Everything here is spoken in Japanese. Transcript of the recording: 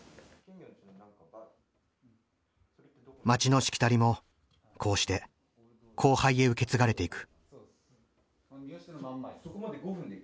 町のしきたりもこうして後輩へ受け継がれていく。